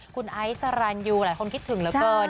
คุณไอซ์สรรยูหลายคนคิดถึงเหลือเกิน